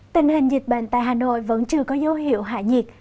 tình hình dịch bệnh tại hà nội vẫn chưa có dấu hiệu hạ nhiệt